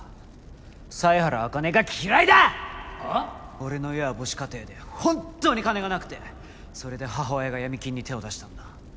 俺の家は母子家庭で本当に金がなくてそれで母親が闇金に手を出したんだ。